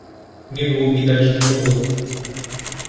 "Nie było widać nikogo."